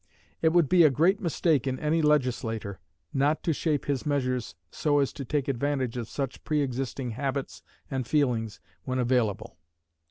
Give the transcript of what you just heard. It would be a great mistake in any legislator not to shape his measures so as to take advantage of such pre existing habits and feelings when available.